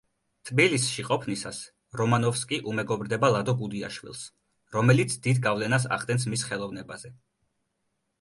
თბილისში ყოფნისას რომანოვსკი უმეგობრდება ლადო გუდიაშვილს, რომელიც დიდ გავლენას ახდენს მის ხელოვნებაზე.